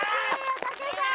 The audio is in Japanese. おたけさん。